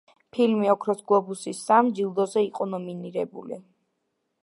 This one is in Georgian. ფილმი ოქროს გლობუსის სამ ჯილდოზე იყო ნომინირებული.